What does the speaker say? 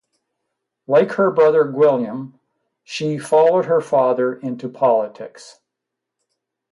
Like her brother, Gwilym, she followed her father into politics.